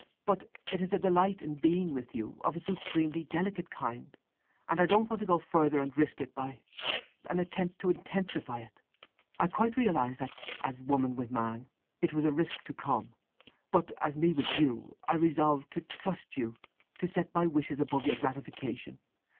But it is a delight in being with you, of a supremely delicate kind, and I don't want to go further and risk it by—an attempt to intensify it! I quite realized that, as woman with man, it was a risk to come. But, as me with you, I resolved to trust you to set my wishes above your gratification.